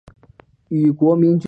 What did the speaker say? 与国民军的战斗便告结束。